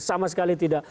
sama sekali tidak